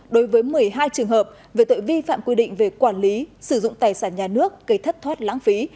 đối với một mươi hai trường hợp về tội vi phạm quy định về quản lý sử dụng tài sản nhà nước gây thất thoát lãng phí